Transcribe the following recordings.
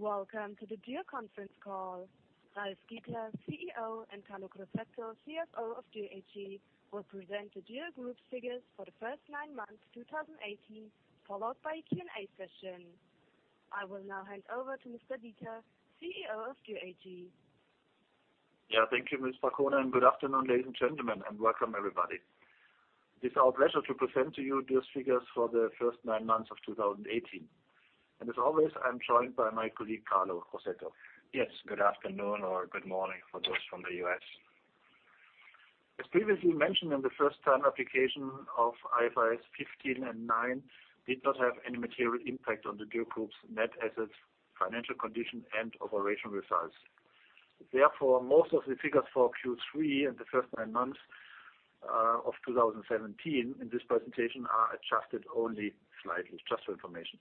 Welcome to the Dürr Conference call. Ralf Dieter, CEO, and Carlo Crosetto, CFO of Dürr AG, will present the Dürr Group's figures for the first nine months of 2018, followed by a Q&A session. I will now hand over to Mr. Dieter, CEO of Dürr AG. Yeah, thank you, Ms. Pacuna. And good afternoon, ladies and gentlemen, and welcome, everybody. It is our pleasure to present to you those figures for the first nine months of 2018. And as always, I'm joined by my colleague, Carlo Crosetto. Yes, good afternoon or good morning for those from the U.S. As previously mentioned, the first-time application of IFRS 15 and 9 did not have any material impact on the Dürr Group's net assets, financial condition, and operational results. Therefore, most of the figures for Q3 and the first nine months of 2017 in this presentation are adjusted only slightly, just for information.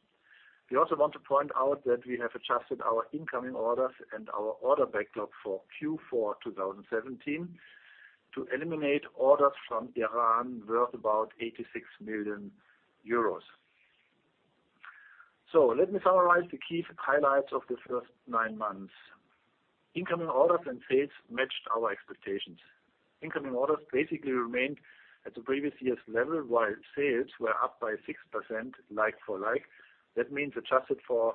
We also want to point out that we have adjusted our incoming orders and our order backlog for Q4 2017 to eliminate orders from Iran worth about 86 million euros. So let me summarize the key highlights of the first nine months. Incoming orders and sales matched our expectations. Incoming orders basically remained at the previous year's level, while sales were up by 6% like for like. That means adjusted for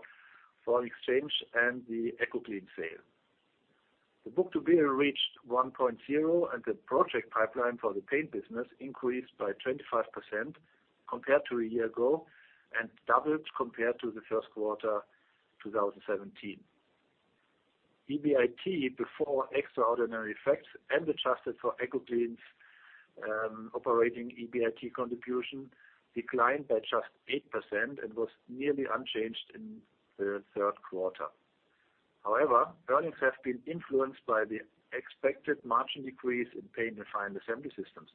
foreign exchange and the Ecoclean sale. The book-to-bill reached 1.0, and the project pipeline for the paint business increased by 25% compared to a year ago and doubled compared to the first quarter of 2017. EBIT, before extraordinary effects, and adjusted for Ecoclean's operating EBIT contribution, declined by just 8% and was nearly unchanged in the third quarter. However, earnings have been influenced by the expected margin decrease in Paint and Final Assembly Systems.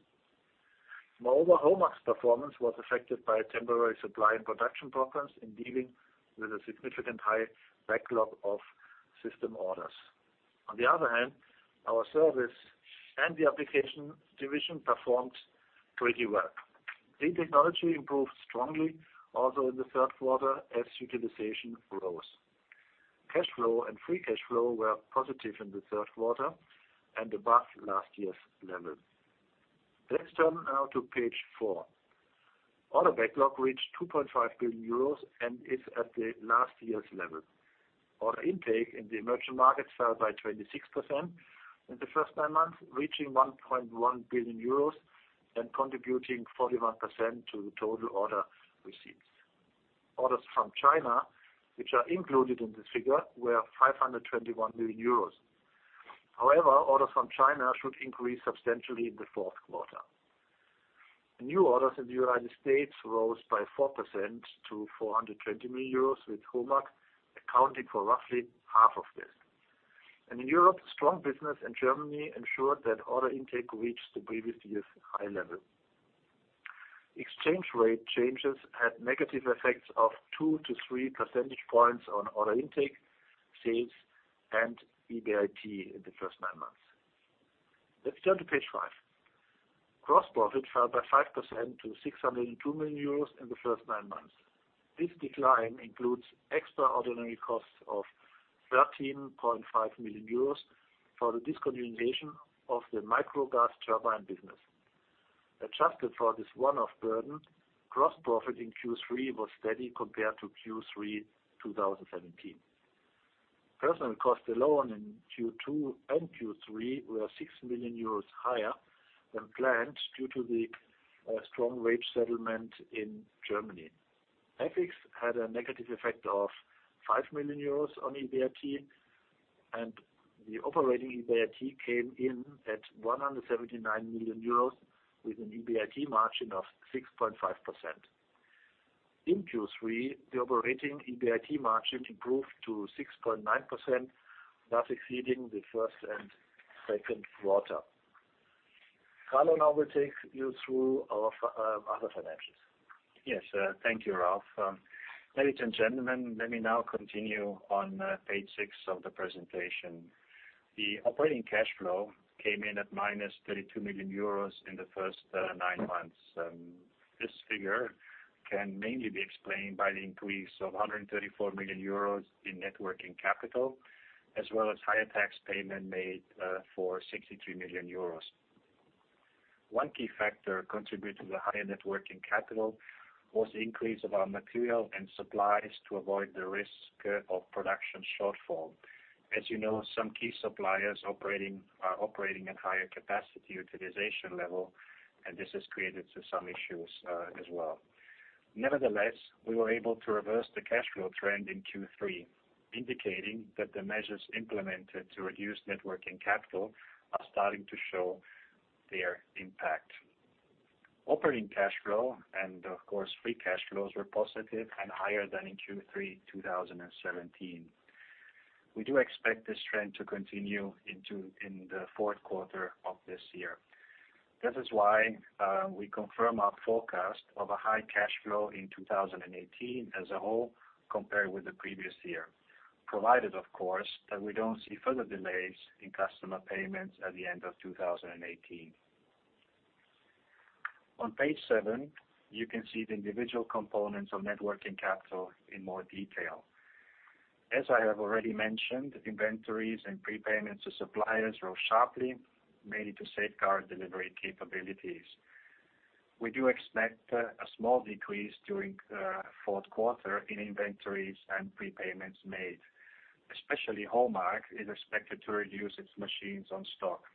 Moreover, HOMAG's performance was affected by temporary supply and production problems in dealing with a significantly high backlog of system orders. On the other hand, our service and the application division performed pretty well. Clean technology improved strongly also in the third quarter as utilization rose. Cash flow and free cash flow were positive in the third quarter and above last year's level. Let's turn now to page four. Order backlog reached 2.5 billion euros and is at the last year's level. Order intake in the emerging markets fell by 26% in the first nine months, reaching 1.1 billion euros and contributing 41% to the total order receipts. Orders from China, which are included in this figure, were 521 million euros. However, orders from China should increase substantially in the fourth quarter. New orders in the United States rose by 4% to 420 million euros, with HOMAG accounting for roughly half of this. In Europe, strong business in Germany ensured that order intake reached the previous year's high level. Exchange rate changes had negative effects of 2-3 percentage points on order intake, sales, and EBIT in the first nine months. Let's turn to page five. Gross profit fell by 5% to 602 million euros in the first nine months. This decline includes extraordinary costs of 13.5 million euros for the discontinuation of the micro gas turbine business. Adjusted for this one-off burden, gross profit in Q3 was steady compared to Q3 2017. Personnel costs alone in Q2 and Q3 were 6 million euros higher than planned due to the strong wage settlement in Germany. Ecoclean had a negative effect of 5 million euros on EBIT, and the operating EBIT came in at 179 million euros with an EBIT margin of 6.5%. In Q3, the operating EBIT margin improved to 6.9%, thus exceeding the first and second quarter. Carlo, now we'll take you through our other financials. Yes, thank you, Ralf. Ladies and gentlemen, let me now continue on page six of the presentation. The operating cash flow came in at 32 million euros in the first nine months. This figure can mainly be explained by the increase of 134 million euros in net working capital, as well as higher tax payment made for 63 million euros. One key factor contributing to the higher net working capital was the increase of our material and supplies to avoid the risk of production shortfall. As you know, some key suppliers are operating at higher capacity utilization level, and this has created some issues as well. Nevertheless, we were able to reverse the cash flow trend in Q3, indicating that the measures implemented to reduce net working capital are starting to show their impact. Operating cash flow and, of course, free cash flows were positive and higher than in Q3 2017. We do expect this trend to continue into the fourth quarter of this year. That is why we confirm our forecast of a high cash flow in 2018 as a whole compared with the previous year, provided, of course, that we don't see further delays in customer payments at the end of 2018. On page seven, you can see the individual components of net working capital in more detail. As I have already mentioned, inventories and prepayments to suppliers rose sharply, mainly to safeguard delivery capabilities. We do expect a small decrease during the fourth quarter in inventories and prepayments made, especially HOMAG is expected to reduce its machines on stock.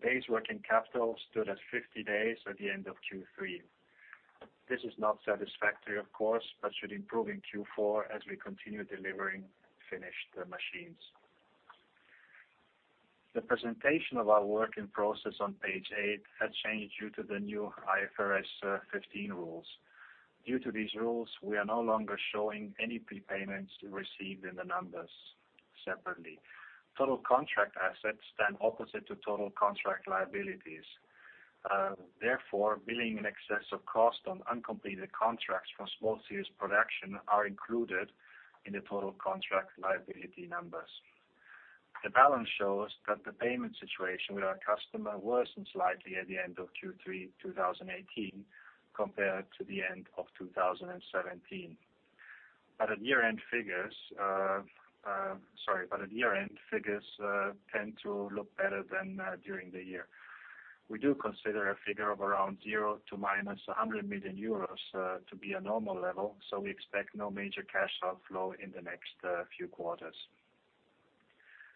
Net working capital stood at 50 days at the end of Q3. This is not satisfactory, of course, but should improve in Q4 as we continue delivering finished machines. The presentation of our working process on page eight has changed due to the new IFRS 15 rules. Due to these rules, we are no longer showing any prepayments received in the numbers separately. Total contract assets stand opposite to total contract liabilities. Therefore, billing in excess of cost on uncompleted contracts for small series production are included in the total contract liability numbers. The balance shows that the payment situation with our customer worsened slightly at the end of Q3 2018 compared to the end of 2017. But at year-end figures, sorry, but at year-end figures tend to look better than during the year. We do consider a figure of around 0 to -100 million euros to be a normal level, so we expect no major cash outflow in the next few quarters.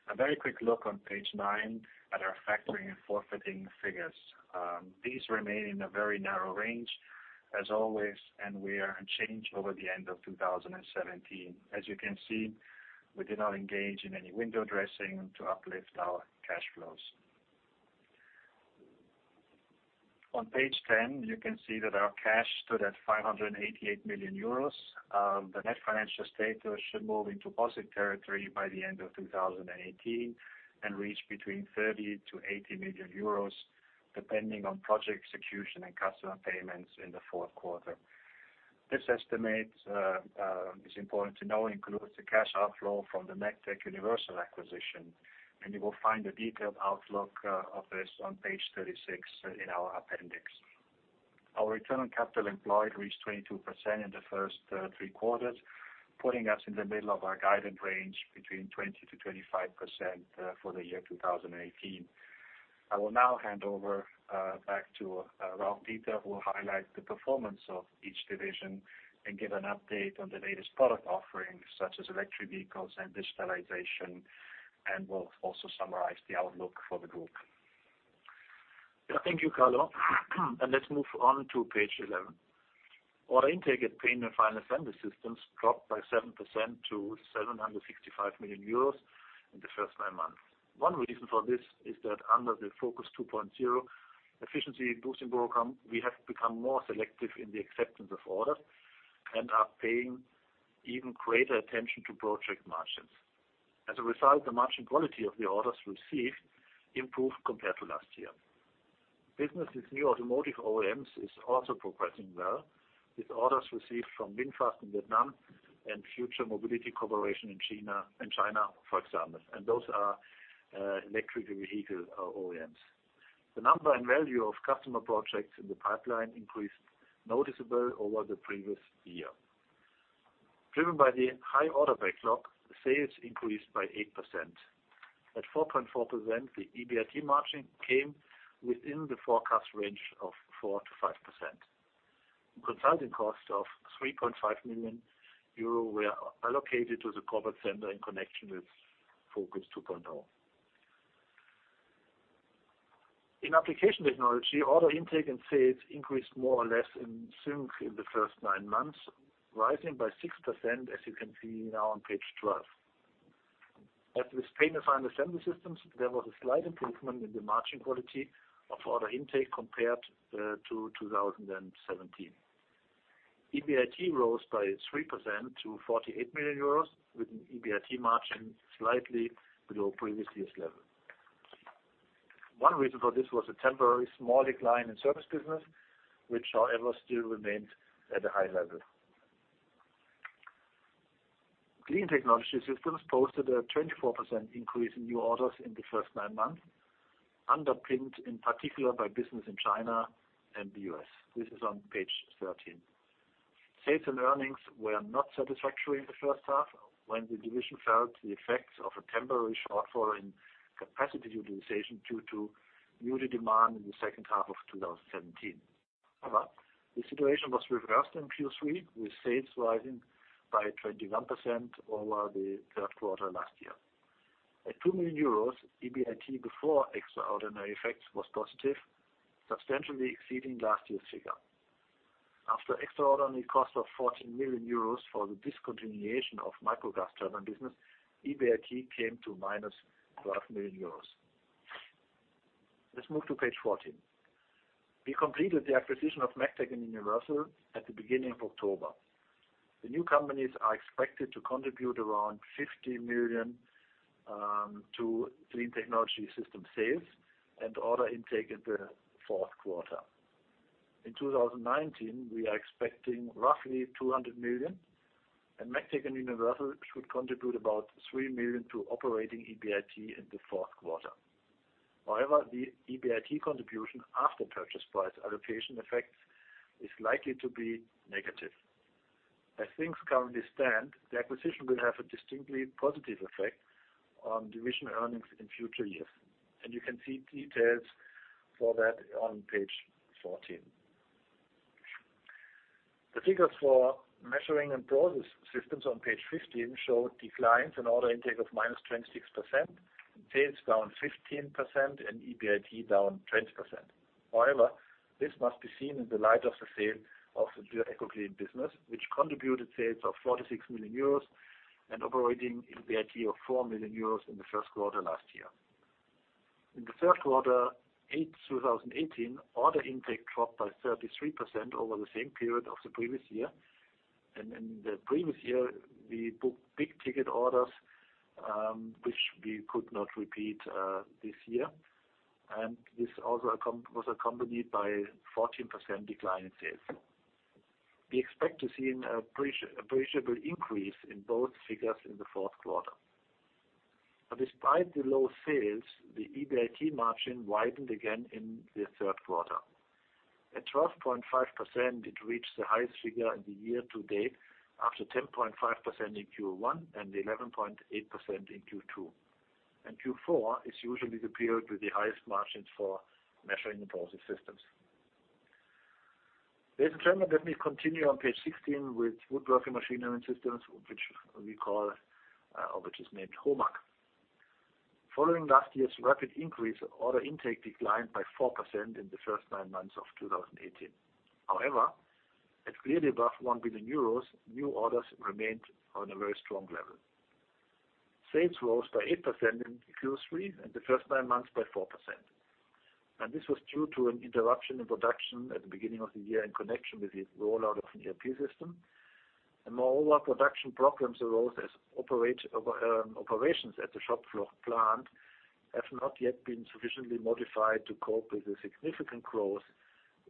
A very quick look on page nine at our factoring and forfeiting figures. These remain in a very narrow range, as always, and we are unchanged over the end of 2017. As you can see, we did not engage in any window dressing to uplift our cash flows. On page 10, you can see that our cash stood at 588 million euros. The net financial status should move into positive territory by the end of 2018 and reach between 30 million-80 million euros, depending on project execution and customer payments in the fourth quarter. This estimate, it's important to know, includes the cash outflow from the MEGTEC Universal acquisition, and you will find a detailed outlook of this on page 36 in our appendix. Our return on capital employed reached 22% in the first three quarters, putting us in the middle of our guidance range between 20%-25% for the year 2018. I will now hand over back to Ralf Dieter, who will highlight the performance of each division and give an update on the latest product offering, such as electric vehicles and digitalization, and will also summarize the outlook for the group. Yeah, thank you, Carlo. And let's move on to page 11. Order intake at Paint and Final Assembly Systems dropped by 7% to 765 million euros in the first nine months. One reason for this is that under the Focus 2.0 efficiency boosting program, we have become more selective in the acceptance of orders and are paying even greater attention to project margins. As a result, the margin quality of the orders received improved compared to last year. Business with new automotive OEMs is also progressing well, with orders received from VinFast in Vietnam and Future Mobility Corporation in China, for example. And those are electric vehicle OEMs. The number and value of customer projects in the pipeline increased noticeably over the previous year. Driven by the high order backlog, sales increased by 8%. At 4.4%, the EBIT margin came within the forecast range of 4%-5%. Consulting costs of 3.5 million euro were allocated to the corporate center in connection with Focus 2.0. In Application Technology, order intake and sales increased more or less in sync in the first nine months, rising by 6%, as you can see now on page 12. In this Paint and Final Assembly Systems, there was a slight improvement in the margin quality of order intake compared to 2017. EBIT rose by 3% to 48 million euros, with an EBIT margin slightly below previous year's level. One reason for this was a temporary small decline in service business, which, however, still remained at a high level. Clean Technology Systems posted a 24% increase in new orders in the first nine months, underpinned in particular by business in China and the U.S. This is on page 13. Sales and earnings were not satisfactory in the first half when the division felt the effects of a temporary shortfall in capacity utilization due to new demand in the second half of 2017. However, the situation was reversed in Q3, with sales rising by 21% over the third quarter last year. At 2 million euros, EBIT before extraordinary effects was positive, substantially exceeding last year's figure. After extraordinary cost of 14 million euros for the discontinuation of micro gas turbine business, EBIT came to 12 million euros. Let's move to page 14. We completed the acquisition of MEGTEC and Universal at the beginning of October. The new companies are expected to contribute around 50 million to Clean Technology Systems sales and order intake in the fourth quarter. In 2019, we are expecting roughly 200 million, and MEGTEC and Universal should contribute about 3 million to operating EBIT in the fourth quarter. However, the EBIT contribution after purchase price allocation effects is likely to be negative. As things currently stand, the acquisition will have a distinctly positive effect on division earnings in future years, and you can see details for that on page 14. The figures for Measuring and Process Systems on page 15 show declines in order intake of -26%, sales down 15%, and EBIT down 20%. However, this must be seen in the light of the sale of the Dürr Ecoclean business, which contributed sales of 46 million euros and operating EBIT of 4 million euros in the first quarter last year. In the third quarter of 2018, order intake dropped by 33% over the same period of the previous year. And in the previous year, we booked big ticket orders, which we could not repeat this year, and this also was accompanied by a 14% decline in sales. We expect to see an appreciable increase in both figures in the fourth quarter. But despite the low sales, the EBIT margin widened again in the third quarter. At 12.5%, it reached the highest figure in the year to date, after 10.5% in Q1 and 11.8% in Q2, and Q4 is usually the period with the highest margins for Measuring and Process Systems. Ladies and gentlemen, let me continue on page 16 with woodworking machinery systems, which we call, or which is named HOMAG. Following last year's rapid increase, order intake declined by 4% in the first nine months of 2018. However, at clearly above 1 billion euros, new orders remained on a very strong level. Sales rose by 8% in Q3 and the first nine months by 4%. This was due to an interruption in production at the beginning of the year in connection with the rollout of an ERP system. Moreover, production problems arose as operations at the Schopfloch plant have not yet been sufficiently modified to cope with the significant growth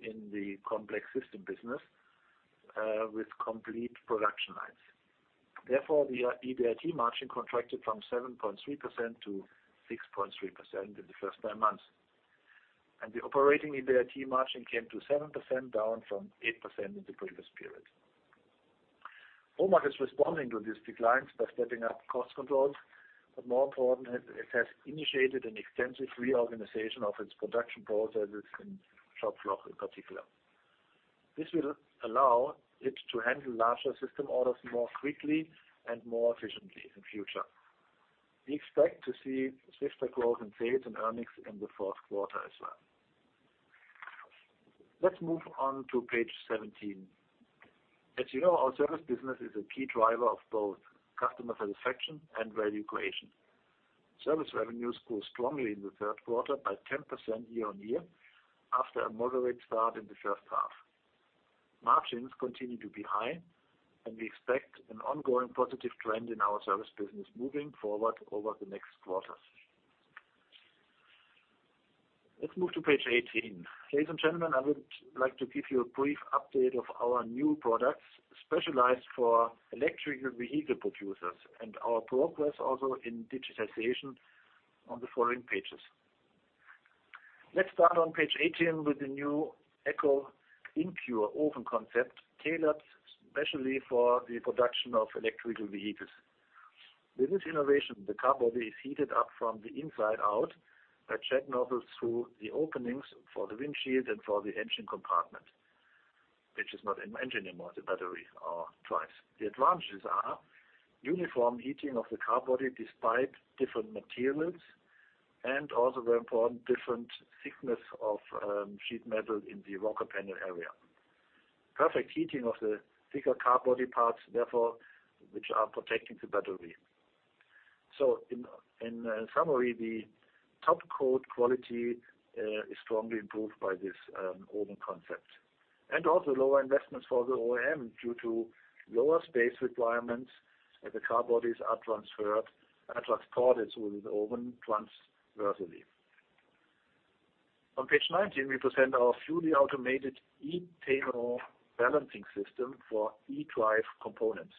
in the complex system business with complete production lines. Therefore, the EBIT margin contracted from 7.3%-6.3% in the first nine months. The operating EBIT margin came to 7%, down from 8% in the previous period. HOMAG is responding to these declines by stepping up cost controls. More important, it has initiated an extensive reorganization of its production processes in Schopfloch in particular. This will allow it to handle larger system orders more quickly and more efficiently in future. We expect to see swifter growth in sales and earnings in the fourth quarter as well. Let's move on to page 17. As you know, our service business is a key driver of both customer satisfaction and value creation. Service revenues grew strongly in the third quarter by 10% year-on-year, after a moderate start in the first half. Margins continue to be high, and we expect an ongoing positive trend in our service business moving forward over the next quarters. Let's move to page 18. Ladies and gentlemen, I would like to give you a brief update of our new products specialized for electric vehicle producers and our progress also in digitization on the following pages. Let's start on page 18 with the new EcoInCure oven concept tailored specially for the production of electric vehicles. With this innovation, the car body is heated up from the inside out by IR nozzles through the openings for the windshield and for the engine compartment, which is not an engine anymore, the battery or drives. The advantages are uniform heating of the car body despite different materials and also, very important, different thickness of sheet metal in the rocker panel area. Perfect heating of the thicker car body parts, therefore, which are protecting the battery. So in summary, the topcoat quality is strongly improved by this oven concept and also lower investments for the OEM due to lower space requirements as the car bodies are transported through the oven transversely. On page 19, we present our fully automated eTENO balancing system for eDrive components.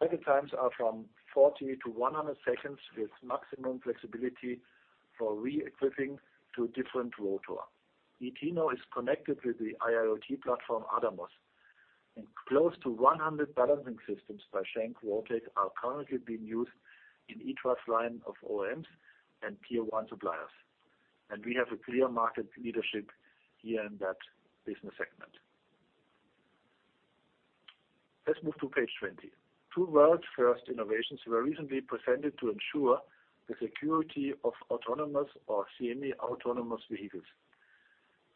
Cycle times are from 40 to 100 seconds with maximum flexibility for re-equipping to a different rotor. eTENO is connected with the IIoT platform ADAMOS. And close to 100 balancing systems by Schenck RoTec are currently being used in each line of OEMs and tier one suppliers. And we have a clear market leadership here in that business segment. Let's move to page 20. Two world-first innovations were recently presented to ensure the security of autonomous or semi-autonomous vehicles.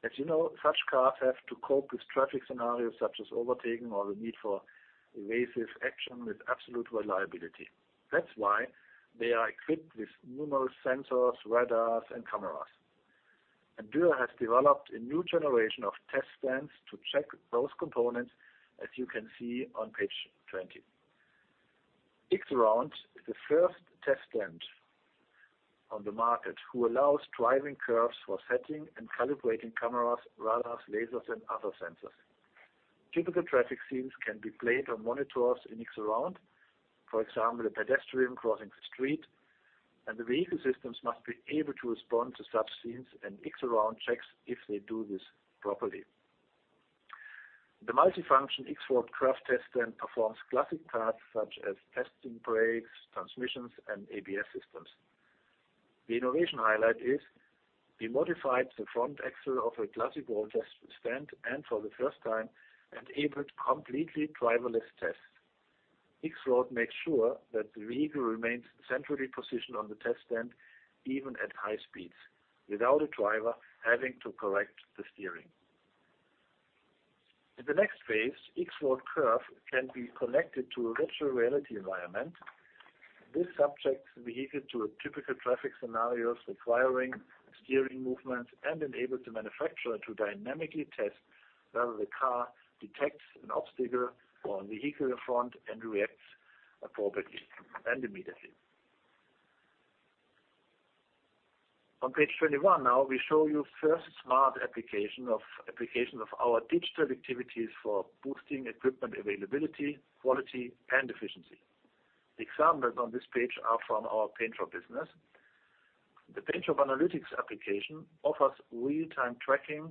As you know, such cars have to cope with traffic scenarios such as overtaking or the need for evasive action with absolute reliability. That's why they are equipped with numerous sensors, radars, and cameras. And Dürr has developed a new generation of test stands to check those components, as you can see on page 20. X-around is the first test stand on the market who allows driving curves for setting and calibrating cameras, radars, lasers, and other sensors. Typical traffic scenes can be played on monitors in x-around, for example, a pedestrian crossing the street. And the vehicle systems must be able to respond to such scenes, and x-around checks if they do this properly. The multifunction x-road test stand performs classic tasks such as testing brakes, transmissions, and ABS systems. The innovation highlight is we modified the front axle of a classic road test stand and for the first time enabled completely driverless tests. x-road makes sure that the vehicle remains centrally positioned on the test stand even at high speeds without a driver having to correct the steering. In the next phase, x-road curve can be connected to a virtual reality environment. This subjects the vehicle to a typical traffic scenario requiring steering movements and enables the manufacturer to dynamically test whether the car detects an obstacle or a vehicle in front and reacts appropriately and immediately. On page 21 now, we show you the first smart application of our digital activities for boosting equipment availability, quality, and efficiency. The examples on this page are from our paint shop business. The Paint Shop Analytics application offers real-time tracking,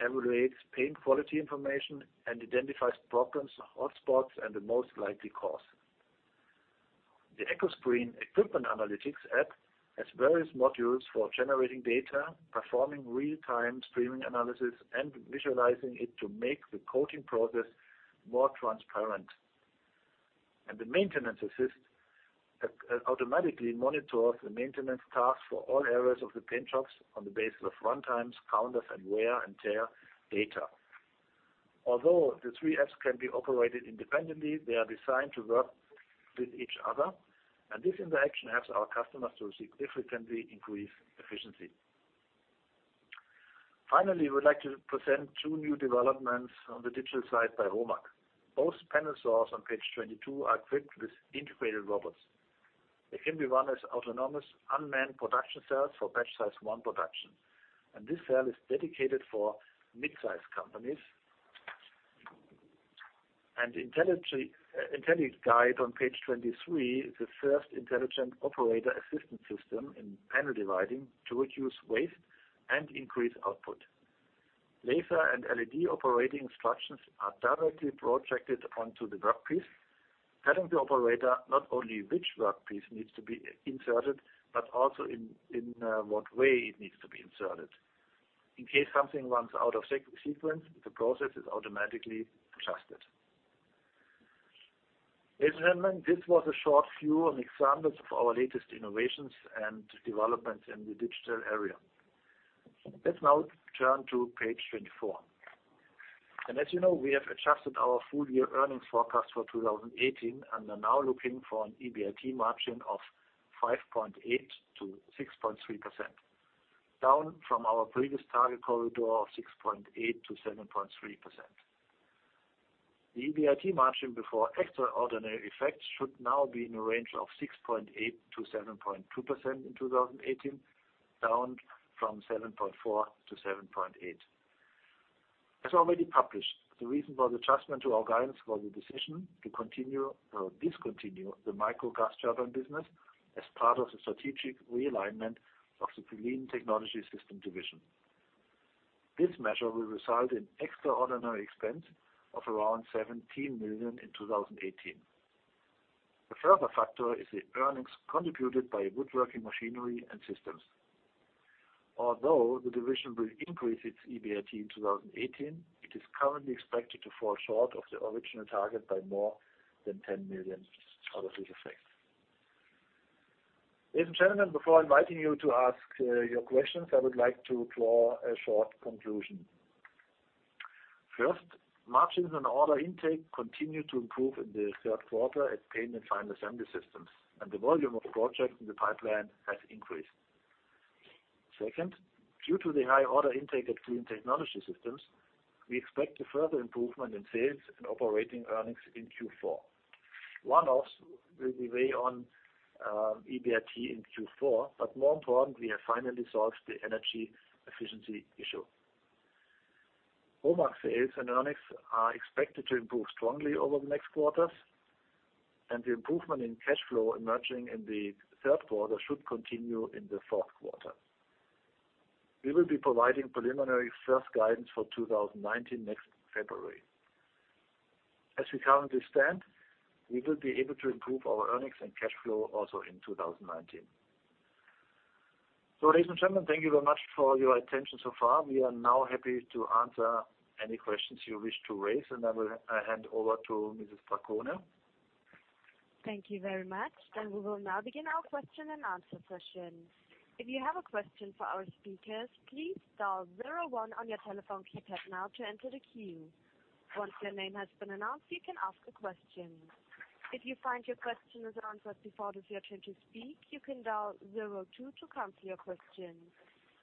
evaluates paint quality information, and identifies problems, hotspots, and the most likely cause. The EcoScreen Equipment Analytics app has various modules for generating data, performing real-time streaming analysis, and visualizing it to make the coating process more transparent, and the Maintenance Assist automatically monitors the maintenance tasks for all areas of the paint shops on the basis of runtimes, counters, and wear and tear data. Although the three apps can be operated independently, they are designed to work with each other. And this interaction helps our customers to significantly increase efficiency. Finally, we'd like to present two new developments on the digital side by HOMAG. Both panel saws on page 22 are equipped with integrated robots. They can be run as autonomous unmanned production cells for batch size one production. And this cell is dedicated for mid-size companies. And IntelliGuide on page 23 is the first intelligent operator assistance system in panel dividing to reduce waste and increase output. Laser and LED operating instructions are directly projected onto the workpiece, telling the operator not only which workpiece needs to be inserted, but also in what way it needs to be inserted. In case something runs out of sequence, the process is automatically adjusted. Ladies and gentlemen, this was a short view on examples of our latest innovations and developments in the digital area. Let's now turn to page 24. As you know, we have adjusted our full year earnings forecast for 2018 and are now looking for an EBIT margin of 5.8%-6.3%, down from our previous target corridor of 6.8%-7.3%. The EBIT margin before extraordinary effects should now be in a range of 6.8%-7.2% in 2018, down from 7.4%-7.8%. As already published, the reason for the adjustment to our guidance was the decision to continue or discontinue the micro gas turbine business as part of the strategic realignment of the Clean Technology Systems division. This measure will result in extraordinary expense of around 17 million in 2018. A further factor is the earnings contributed by Woodworking Machinery and Systems. Although the division will increase its EBIT in 2018, it is currently expected to fall short of the original target by more than 10 million out of this effect. Ladies and gentlemen, before inviting you to ask your questions, I would like to draw a short conclusion. First, margins on order intake continue to improve in the third quarter at Paint and Final Assembly Systems, and the volume of projects in the pipeline has increased. Second, due to the high order intake at Clean Technology Systems, we expect a further improvement in sales and operating earnings in Q4. One-offs will be weighed on EBIT in Q4, but more importantly, we have finally solved the energy efficiency issue. HOMAG sales and earnings are expected to improve strongly over the next quarters, and the improvement in cash flow emerging in the third quarter should continue in the fourth quarter. We will be providing preliminary first guidance for 2019 next February. As we currently stand, we will be able to improve our earnings and cash flow also in 2019. So ladies and gentlemen, thank you very much for your attention so far. We are now happy to answer any questions you wish to raise, and I will hand over to Mrs. Pacuna. Thank you very much. And we will now begin our question and answer session. If you have a question for our speakers, please dial zero one on your telephone keypad now to enter the queue. Once your name has been announced, you can ask a question. If you find your question is answered before your turn to speak, you can dial zero two to cancel your question.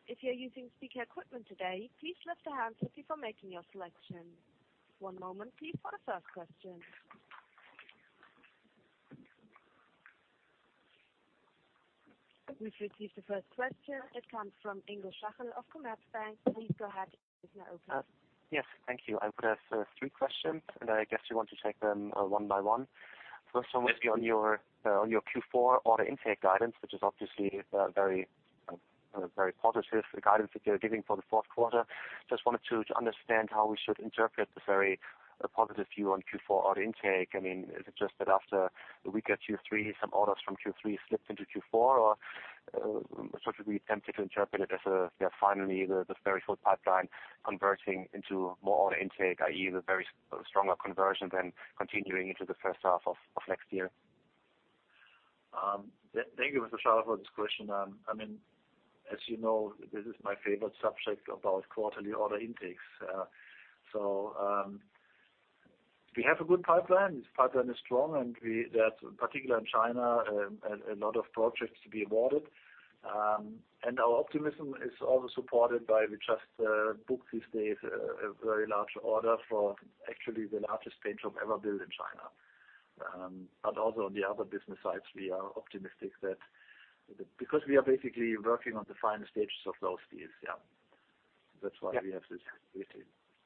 If you're using speaker equipment today, please lift your handset before making your selection. One moment, please, for the first question. We've received the first question. It comes from Ingo Schachel of Commerzbank. Please go ahead and open up. Yes, thank you. I would have three questions, and I guess you want to take them one by one. The first one would be on your Q4 order intake guidance, which is obviously a very positive guidance that you're giving for the fourth quarter. Just wanted to understand how we should interpret this very positive view on Q4 order intake. I mean, is it just that after a weak Q3, some orders from Q3 slipped into Q4, or should we be tempted to interpret it as finally the very full pipeline converting into more order intake, i.e., the very stronger conversion than continuing into the first half of next year? Thank you, Mr. Schachel, for this question. I mean, as you know, this is my favorite subject about quarterly order intakes. We have a good pipeline. This pipeline is strong, and there's, particularly in China, a lot of projects to be awarded. Our optimism is also supported by we just booked these days a very large order for actually the largest paint shop ever built in China. But also on the other business sides, we are optimistic that because we are basically working on the final stages of those deals, yeah. That's why we have this great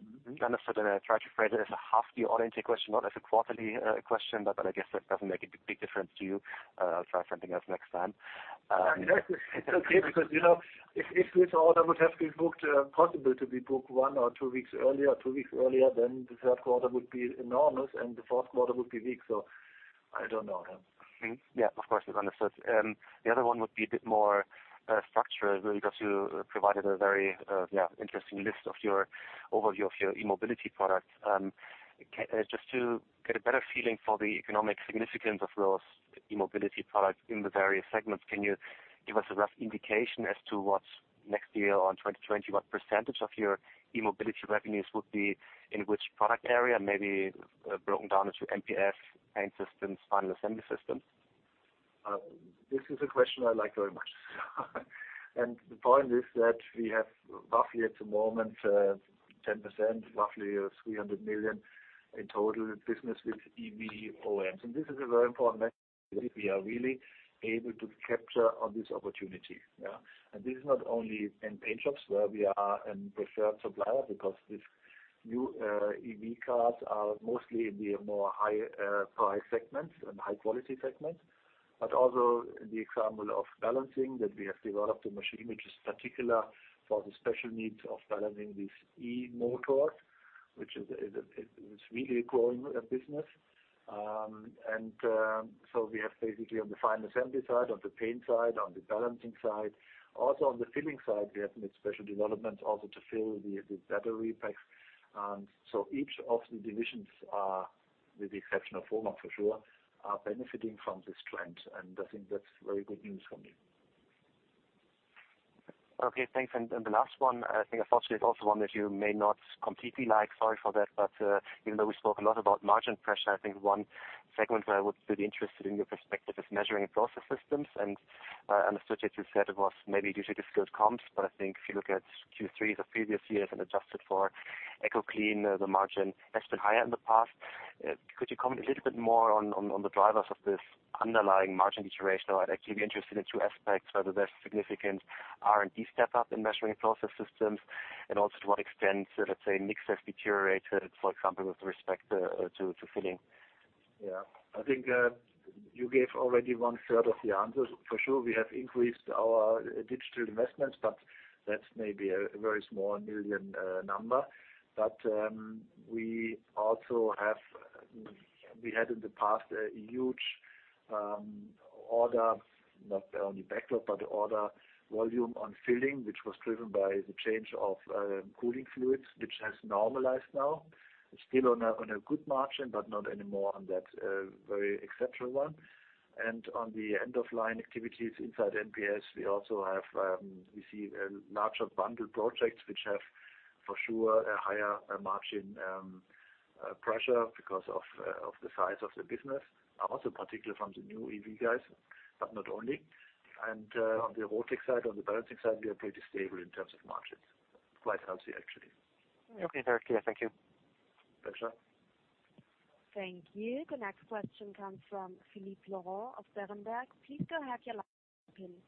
team. Kind of trying to phrase it as a half the order intake question, not as a quarterly question, but I guess that doesn't make a big difference to you. I'll try something else next time. It's okay because if this order would have been booked, possibly to be booked one or two weeks earlier, then the third quarter would be enormous, and the fourth quarter would be weak. I don't know. Yeah, of course, we've understood. The other one would be a bit more structural, where you got to provide a very interesting list of your overview of your e-mobility products. Just to get a better feeling for the economic significance of those e-mobility products in the various segments, can you give us a rough indication as to what next year or in 2020, what percentage of your e-mobility revenues would be in which product area, maybe broken down into MPS, paint systems, final assembly systems? This is a question I like very much. And the point is that we have roughly at the moment 10%, roughly 300 million in total business with EV OEMs. And this is a very important message that we are really able to capture on this opportunity. This is not only in paint shops where we are a preferred supplier because these new EV cars are mostly in the more high-price segments and high-quality segments, but also in the example of balancing that we have developed a machine which is particular for the special needs of balancing these e-motors, which is really a growing business. So we have basically on the final assembly side, on the paint side, on the balancing side, also on the filling side, we have made special developments also to fill the battery packs. Each of the divisions, with the exception of HOMAG for sure, are benefiting from this trend. I think that's very good news for me. Okay, thanks. The last one, I think unfortunately is also one that you may not completely like. Sorry for that. But even though we spoke a lot about margin pressure, I think one segment where I would be interested in your perspective is measuring process systems. And I understood that you said it was maybe due to discount comps, but I think if you look at Q3 of previous years and adjusted for Ecoclean, the margin has been higher in the past. Could you comment a little bit more on the drivers of this underlying margin deterioration? I'd actually be interested in two aspects, whether there's significant R&D step-up in measuring process systems, and also to what extent, let's say, mix has deteriorated, for example, with respect to filling. Yeah. I think you gave already one-third of the answers. For sure, we have increased our digital investments, but that's maybe a very small million number. But we also had in the past a huge order, not only backlog, but order volume on filling, which was driven by the change of cooling fluids, which has normalized now. It's still on a good margin, but not anymore on that very eccentric one. And on the end-of-line activities inside MPS, we also see larger bundle projects which have for sure a higher margin pressure because of the size of the business, also particularly from the new EV guys, but not only. And on the RoTec side, on the balancing side, we are pretty stable in terms of margins. Quite healthy, actually. Okay, very clear. Thank you. Pleasure. Thank you. The next question comes from Philippe Lorrain of Berenberg. Please go ahead and give your last opinion.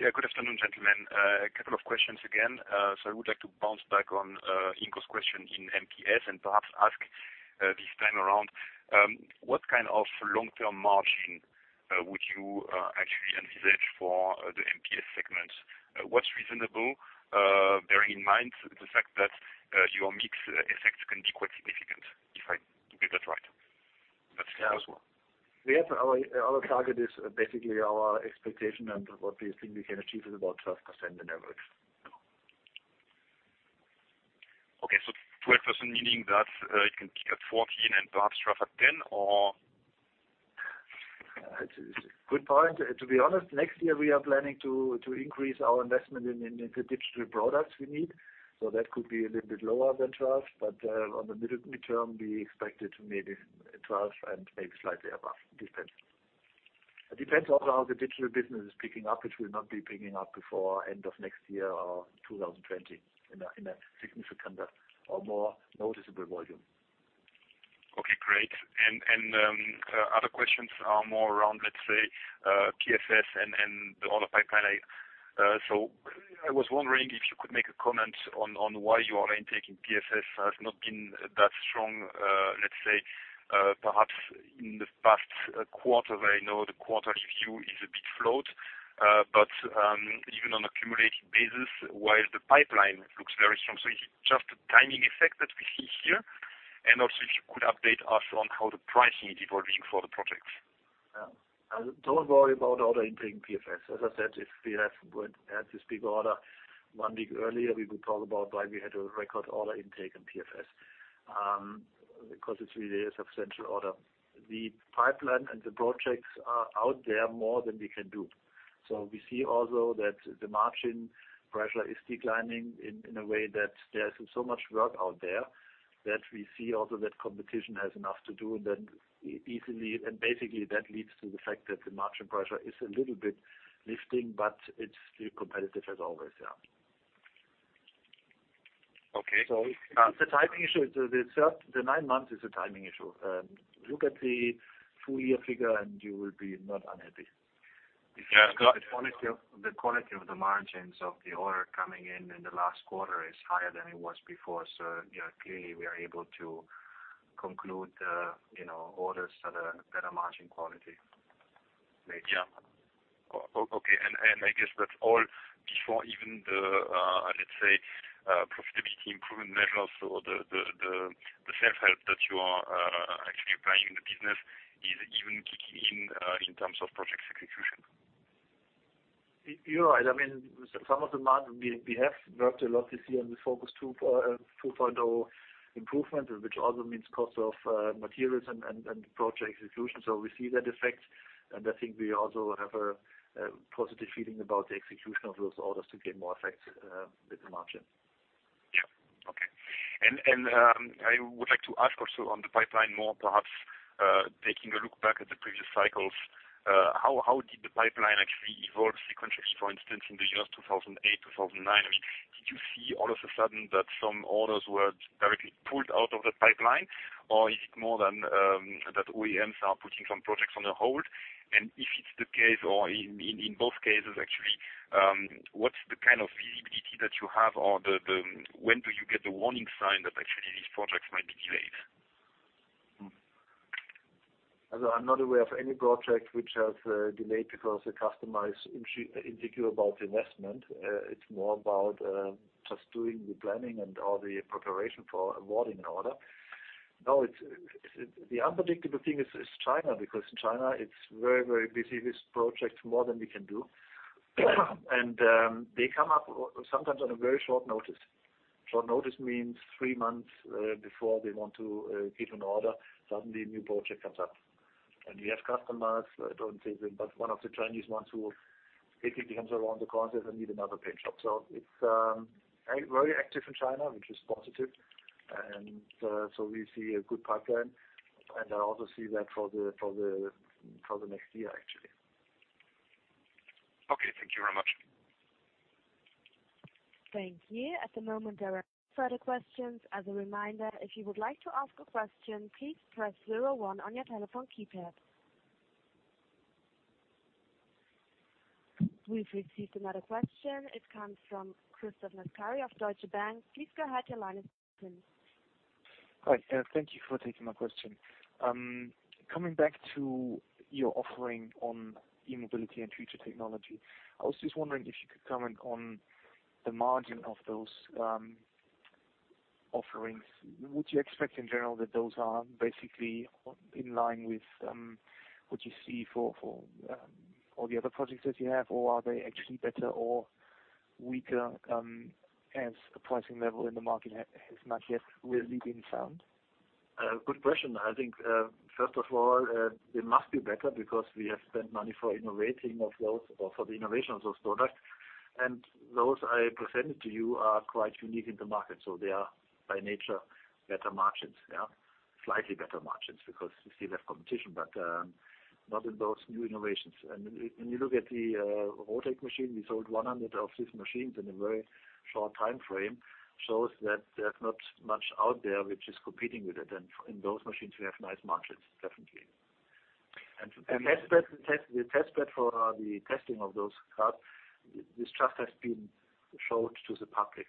Yeah, good afternoon, gentlemen. A couple of questions again. So I would like to bounce back on Ingo's question in MPS and perhaps ask this time around, what kind of long-term margin would you actually envisage for the MPS segment? What's reasonable, bearing in mind the fact that your mix effects can be quite significant, if I did that right? That's clear. Yeah, of course. We have our target is basically our expectation and what we think we can achieve is about 12% on average. Okay, so 12% meaning that it can peak at 14% and perhaps drop at 10% or? It's a good point. To be honest, next year we are planning to increase our investment in the digital products we need. So that could be a little bit lower than 12%, but on the midterm, we expect it to maybe 12% and maybe slightly above. It depends. It depends also how the digital business is picking up, which will not be picking up before end of next year or 2020 in a significant or more noticeable volume. Okay, great. And other questions are more around, let's say, PFS and the order pipeline. So I was wondering if you could make a comment on why your intake in PFS has not been that strong, let's say, perhaps in the past quarter where I know the quarterly view is a bit flawed, but even on an accumulated basis, while the pipeline looks very strong. So is it just a timing effect that we see here? And also if you could update us on how the pricing is evolving for the projects. Don't worry about order intake in PFS. As I said, if we had this big order one week earlier, we could talk about why we had a record order intake in PFS because it's really a substantial order. The pipeline and the projects are out there more than we can do. So we see also that the margin pressure is declining in a way that there's so much work out there that we see also that competition has enough to do and then easily, and basically that leads to the fact that the margin pressure is a little bit lifting, but it's still competitive as always, yeah. Okay. So it's a timing issue. The nine months is a timing issue. Look at the full year figure and you will be not unhappy. The quality of the margins of the order coming in in the last quarter is higher than it was before. So clearly we are able to conclude orders that are better margin quality later. Yeah. Okay. And I guess that's all before even the, let's say, profitability improvement measures or the self-help that you are actually applying in the business is even kicking in in terms of project execution. You're right. I mean, some of the margin we have worked a lot this year on the Focus 2.0 improvement, which also means cost of materials and project execution. So we see that effect, and I think we also have a positive feeling about the execution of those orders to gain more effect with the margin. Yeah. Okay. And I would like to ask also on the pipeline more, perhaps taking a look back at the previous cycles, how did the pipeline actually evolve sequentially, for instance, in the years 2008, 2009? I mean, did you see all of a sudden that some orders were directly pulled out of the pipeline, or is it more than that OEMs are putting some projects on a hold, and if it's the case, or in both cases, actually, what's the kind of visibility that you have, or when do you get the warning sign that actually these projects might be delayed? As I'm not aware of any project which has delayed because the customer is insecure about investment. It's more about just doing the planning and all the preparation for awarding an order. No, the unpredictable thing is China because in China, it's very, very busy with projects more than we can do, and they come up sometimes on a very short notice. Short notice means three months before they want to give an order, suddenly a new project comes up. And we have customers. I don't say they, but one of the Chinese ones who basically comes around the corner and says, "I need another paint shop." So it's very active in China, which is positive. And so we see a good pipeline, and I also see that for the next year, actually. Okay, thank you very much. Thank you. At the moment, there are no further questions. As a reminder, if you would like to ask a question, please press zero one on your telephone keypad. We've received another question. It comes from Christophe Menard of Deutsche Bank. Please go ahead. Your line is open. Hi. Thank you for taking my question. Coming back to your offering on e-mobility and future technology, I was just wondering if you could comment on the margin of those offerings. Would you expect in general that those are basically in line with what you see for all the other projects that you have, or are they actually better or weaker as a pricing level in the market has not yet really been found? Good question. I think, first of all, they must be better because we have spent money for innovating of those or for the innovation of those products. And those I presented to you are quite unique in the market. So they are by nature better margins, yeah. Slightly better margins because we still have competition, but not in those new innovations. And when you look at the x-road machine, we sold 100 of these machines in a very short timeframe, shows that there's not much out there which is competing with it. And in those machines, we have nice margins, definitely. The testbed for the testing of those cars, this trust has been showed to the public.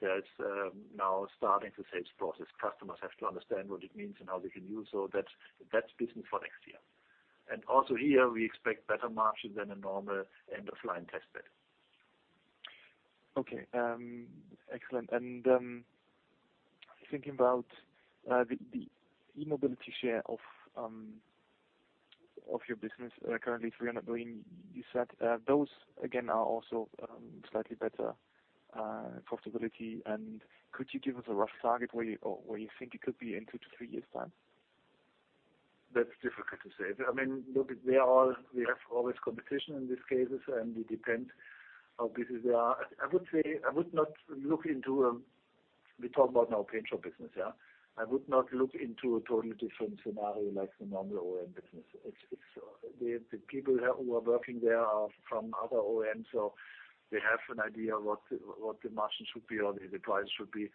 There is now starting the sales process. Customers have to understand what it means and how they can use so that that's business for next year. Also here, we expect better margin than a normal end-of-line testbed. Okay. Excellent. Thinking about the e-mobility share of your business, currently 300 million, you said those, again, are also slightly better profitability. Could you give us a rough target where you think it could be in two to three years' time? That's difficult to say. I mean, look, we have always competition in these cases, and it depends how busy they are. I would say I would not look into we talk about now paint shop business, yeah. I would not look into a totally different scenario like the normal OEM business. The people who are working there are from other OEMs, so they have an idea of what the margin should be or the price should be.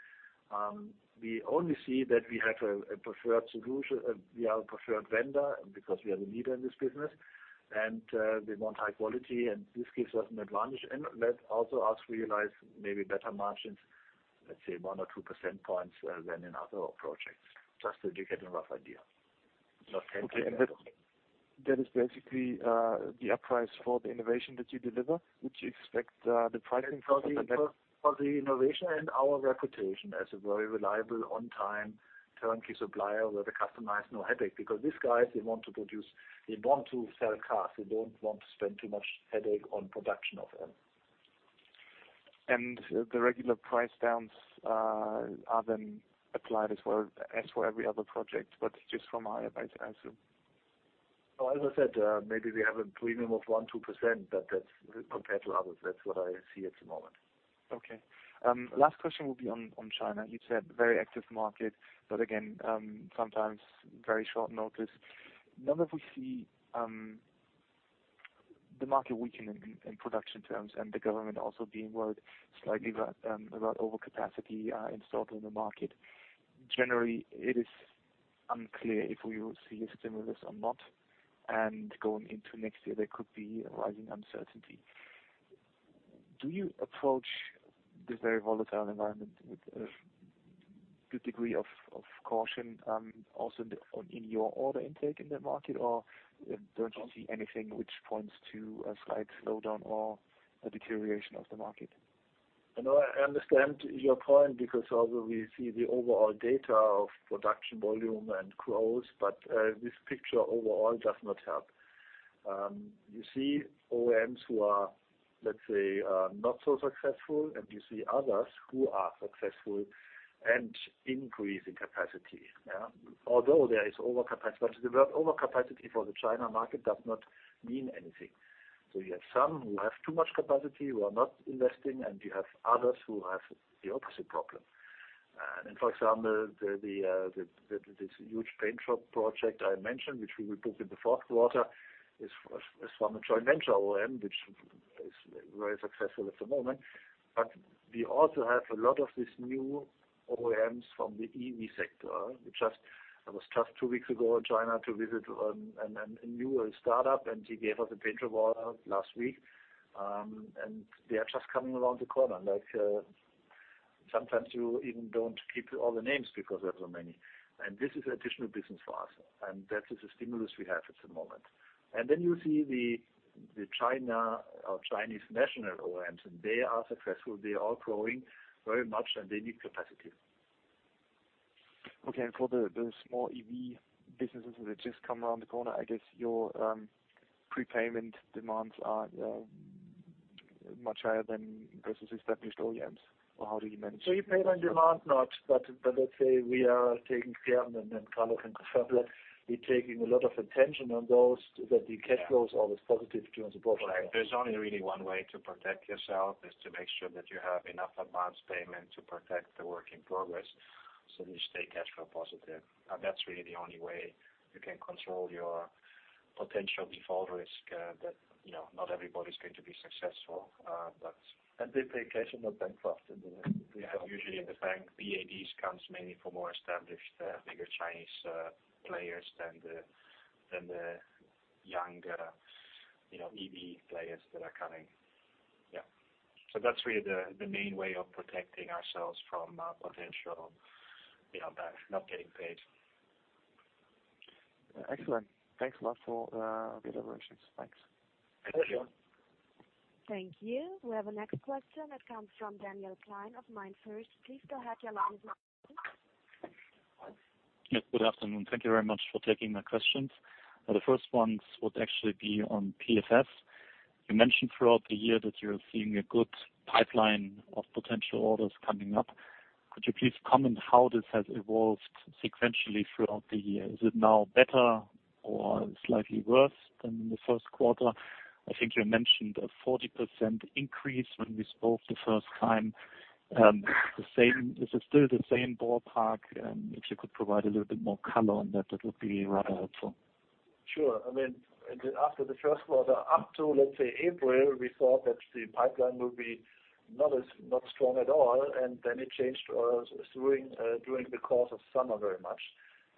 We only see that we have a preferred solution. We are a preferred vendor because we are the leader in this business, and we want high quality, and this gives us an advantage, and that also helps realize maybe better margins, let's say, one or two percentage points than in other projects. Just so you get a rough idea. Not 10% or something. That is basically the upprice for the innovation that you deliver. Would you expect the pricing to be like that? For the innovation and our reputation as a very reliable, on-time, turnkey supplier where the customer has no headache because these guys, they want to produce, they want to sell cars. They don't want to spend too much headache on production of them. The regular price downs are then applied as well as for every other project, but just from a higher price also. As I said, maybe we have a premium of 1%-2%, but that's compared to others. That's what I see at the moment. Okay. Last question will be on China. You said very active market, but again, sometimes very short notice. Now that we see the market weakening in production terms and the government also being worried slightly about overcapacity installed in the market, generally, it is unclear if we will see a stimulus or not. Going into next year, there could be rising uncertainty. Do you approach this very volatile environment with a good degree of caution also in your order intake in the market, or don't you see anything which points to a slight slowdown or a deterioration of the market? I know I understand your point because although we see the overall data of production volume and growth, but this picture overall does not help. You see OEMs who are, let's say, not so successful, and you see others who are successful and increasing capacity, yeah. Although there is overcapacity, but to develop overcapacity for the China market does not mean anything. So you have some who have too much capacity, who are not investing, and you have others who have the opposite problem. For example, this huge paint shop project I mentioned, which we will book in the fourth quarter, is from a Joint Venture OEM, which is very successful at the moment. But we also have a lot of these new OEMs from the EV sector. I was just two weeks ago in China to visit a new startup, and he gave us a paint shop order last week. And they are just coming around the corner. Sometimes you even don't keep all the names because there are so many. And this is additional business for us. And that is a stimulus we have at the moment. And then you see the China or Chinese national OEMs, and they are successful. They are growing very much, and they need capacity. Okay. And for the small EV businesses that have just come around the corner, I guess your prepayment demands are much higher than versus established OEMs, or how do you manage? Prepayment demands, not. But let's say we are taking care of them and kind of confirm that we're taking a lot of attention on those, that the cash flow is always positive during the process. Right. There's only really one way to protect yourself, is to make sure that you have enough advance payment to protect the work in progress so that you stay cash flow positive. And that's really the only way you can control your potential default risk, that not everybody's going to be successful, but. And they pay cash and not bankrupt. We have usually in the bank. BADs comes mainly for more established, bigger Chinese players than the young EV players that are coming. Yeah. So that's really the main way of protecting ourselves from potential not getting paid. Excellent. Thanks a lot for the elaborations. Thanks. Thank you. Thank you. We have a next question that comes from Daniel Gleim of MainFirst. Please go ahead and allow him to speak. Good afternoon. Thank you very much for taking my questions. The first one would actually be on PFS. You mentioned throughout the year that you're seeing a good pipeline of potential orders coming up. Could you please comment how this has evolved sequentially throughout the year? Is it now better or slightly worse than in the first quarter? I think you mentioned a 40% increase when we spoke the first time. Is it still the same ballpark? If you could provide a little bit more color on that, that would be rather helpful. Sure. I mean, after the first quarter, up to, let's say, April, we thought that the pipeline would be not strong at all, and then it changed during the course of summer very much,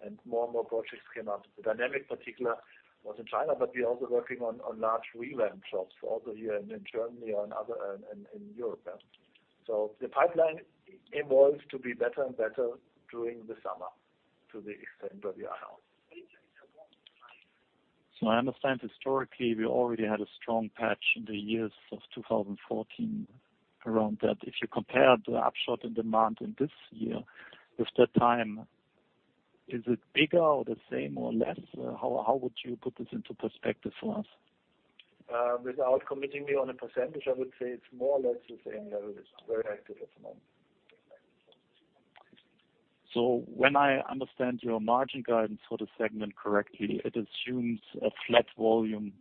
and more and more projects came up. The particular dynamic was in China, but we're also working on large re-ramp jobs, also here in Germany or in Europe. The pipeline evolves to be better and better during the summer to the extent that we are now. I understand historically we already had a strong patch in the years of 2014 around that. If you compare the upswing in demand in this year with that time, is it bigger or the same or less? How would you put this into perspective for us? Without committing me on a percentage, I would say it's more or less the same level. It's very active at the moment. So when I understand your margin guidance for the segment correctly, it assumes a flat volume,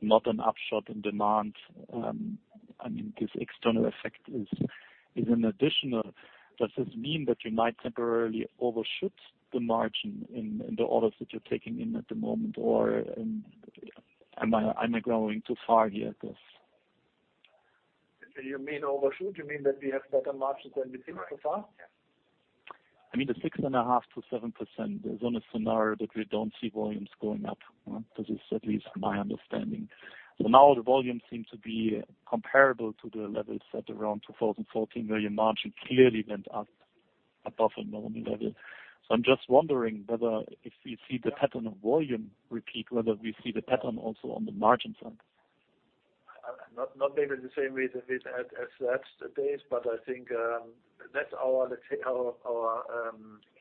not an upshot in demand. I mean, this external effect is an additional. Does this mean that you might temporarily overshoot the margin in the orders that you're taking in at the moment, or am I going too far here at this? You mean overshoot? You mean that we have better margins than we think so far? Yeah. I mean, the 6.5%-7% is on a scenario that we don't see volumes going up, because it's at least my understanding. So now the volumes seem to be comparable to the levels at around 2014, where your margin clearly went up above the normal level. So I'm just wondering whether if we see the pattern of volume repeat, whether we see the pattern also on the margin side. Not maybe the same way as those days, but I think that's our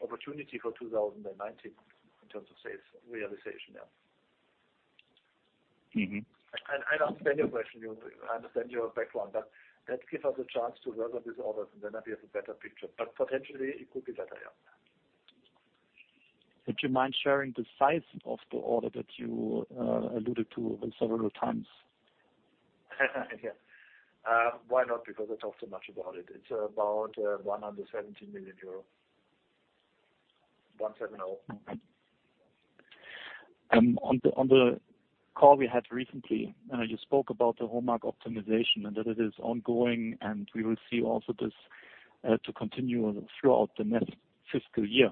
opportunity for 2019 in terms of sales realization, yeah. And I understand your question. I understand your background, but that gives us a chance to work on these orders, and then we have a better picture. But potentially, it could be better, yeah. Would you mind sharing the size of the order that you alluded to several times? Yeah. Why not? Because I talked too much about it. It's about 170 million euro. 170. On the call we had recently, you spoke about the hallmark optimization and that it is ongoing, and we will see also this to continue throughout the next fiscal year.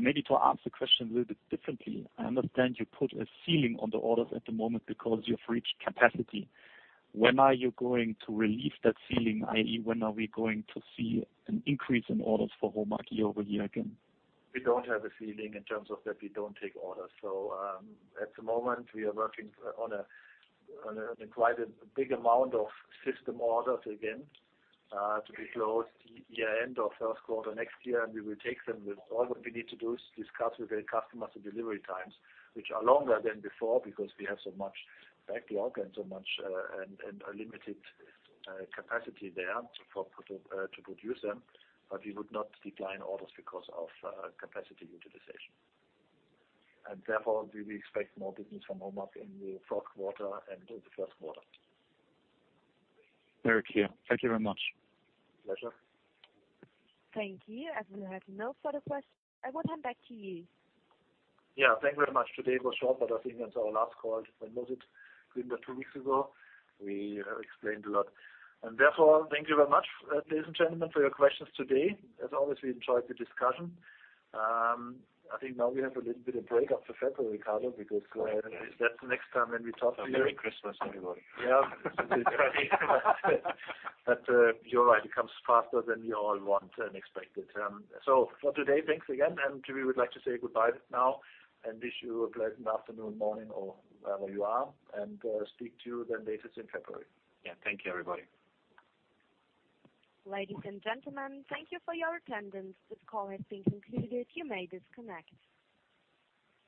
Maybe to ask the question a little bit differently, I understand you put a ceiling on the orders at the moment because you've reached capacity. When are you going to release that ceiling, i.e., when are we going to see an increase in orders for automotive year over year again? We don't have a ceiling in terms of that we don't take orders. So at the moment, we are working on quite a big amount of system orders again to be closed year end or first quarter next year, and we will take them. All that we need to do is discuss with the customers the delivery times, which are longer than before because we have so much backlog and so much and a limited capacity there to produce them. But we would not decline orders because of capacity utilization. And therefore, we expect more business from automotive in the fourth quarter and the first quarter. Very clear. Thank you very much. Pleasure. Thank you. And we have no further questions. I will hand back to you. Yeah. Thank you very much. Today was short, but I think that's our last call. When was it? Two weeks ago. We have explained a lot. And therefore, thank you very much, ladies and gentlemen, for your questions today. As always, we enjoyed the discussion. I think now we have a little bit of a break for February, Carlo, because that's the next time when we talk to you. Merry Christmas, everybody. Yeah. But you're right. It comes faster than we all want and expected. So for today, thanks again. And we would like to say goodbye now and wish you a pleasant afternoon, morning, or wherever you are, and speak to you then latest in February. Yeah. Thank you, everybody. Ladies and gentlemen, thank you for your attendance. This call has been concluded. You may disconnect.